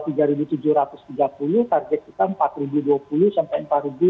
target kita empat ribu dua puluh sampai empat ribu satu ratus delapan puluh